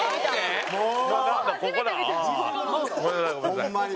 ホンマに。